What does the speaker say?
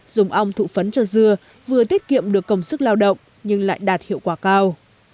dùng ong thụ phấn cho dưa vừa tiết kiệm được công sức lao động nhưng lại đạt hiệu quả cao